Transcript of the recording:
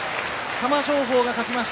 玉正鳳が勝ちました